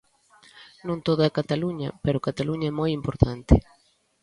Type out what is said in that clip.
Non todo é Cataluña, pero Cataluña é moi importante.